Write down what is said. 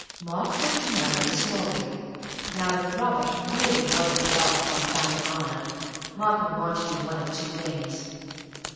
Mark hoped to marry Miss Norbury. Now, if Robert really was a blot upon the family honour, Mark would want to do one of two things.